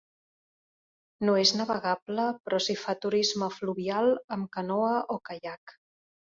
No és navegable però si fa turisme fluvial amb canoa o caiac.